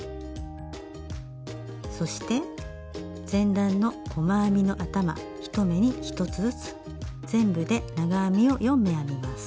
そして前段の細編みの頭１目に１つずつ全部で長編みを４目編みます。